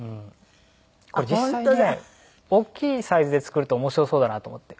これ実際ね大きいサイズで作ると面白そうだなと思って。